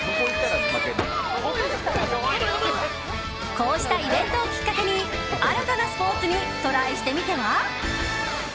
こうしたイベントをきっかけに新たなスポーツにトライしてみては。